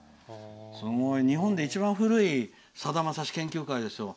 日本で一番古いさだまさし研究会ですよ。